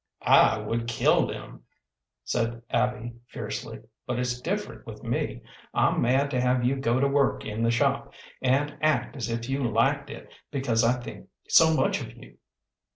"I would kill them," said Abby, fiercely; "but it's different with me. I'm mad to have you go to work in the shop, and act as if you liked it, because I think so much of you."